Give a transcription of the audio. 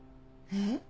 えっ？